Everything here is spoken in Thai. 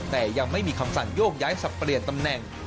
แต่ยังไม่มีคำสั่งโยกย้ายสับเปลี่ยนตำแหน่ง